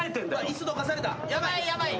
椅子どかされた。